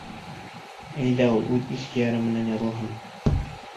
Әйҙә ул үҙ ихтыяры менән яҙылһын.